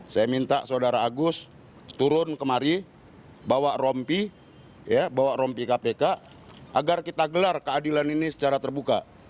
saya minta saudara agus turun kemari bawa rompi kpk agar kita gelar keadilan ini secara terbuka